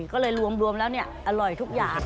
ก็เลยรวมแล้วอร่อยทุกอย่าง